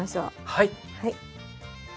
はい。